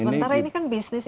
sementara ini kan bisnis